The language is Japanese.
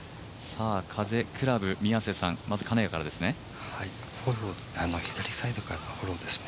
風、クラブ、宮瀬さん、まず金谷からですね。